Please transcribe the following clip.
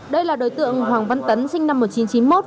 đây là đối tượng hoàng văn tấn sinh năm một nghìn chín trăm chín mươi một